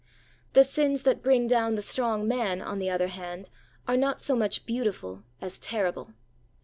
The sins that bring down the strong man, on the other hand, are not so much beautiful as terrible.